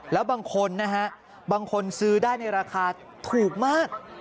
แล้วบางคนนะฮะบางคนซื้อได้ในราคาถูกมาก